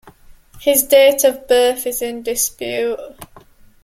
His date of birth is in dispute.